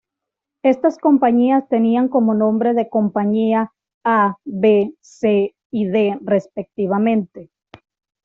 Estas compañías tenían como nombre compañía A, B, C, y D respectivamente.